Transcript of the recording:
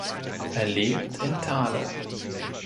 Er lebt in Thale.